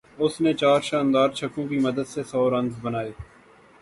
اس نے چار شاندار چھکوں کی مدد سے سو رنز بنائے